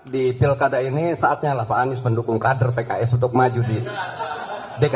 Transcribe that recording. di pilkada ini saatnya lah pak anies mendukung kader pks untuk maju di dki jakarta